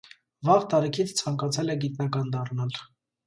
Վաղ տարիքից ցանկացել է գիտնական դառնալ։